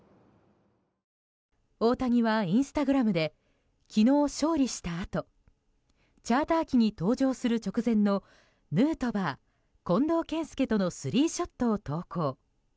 大谷はインスタグラムで昨日勝利したあとチャーター機に搭乗する直前のヌートバー、近藤健介とのスリーショットを投稿。